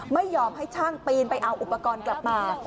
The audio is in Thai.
ไม่ยอมให้ช่างปีนไปเอาอุปกรณ์กลับมา